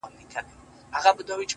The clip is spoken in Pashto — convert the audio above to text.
لکه د واړه گناهونو چي لامل زه یم’